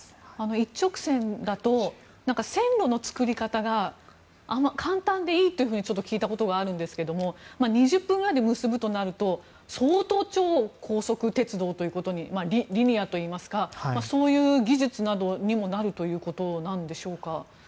一直線だと線路の作り方が簡単でいいと聞いたことがあるんですけど２０分ぐらいで結ぶとなると相当、超高速鉄道ということにリニアといいますかそういう技術などにもなるということなんでしょうか。